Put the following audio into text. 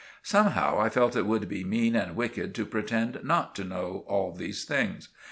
Somehow I felt it would be mean and wicked to pretend not to know all these things.